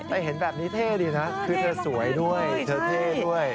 แต่เห็นแบบนี้เท่ดีนะคือเธอสวยด้วยเธอเท่ด้วย